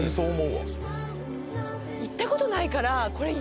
行ったことないからこれ。